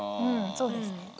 うんそうですね。